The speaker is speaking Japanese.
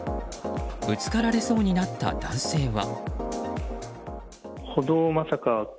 ぶつかられそうになった男性は。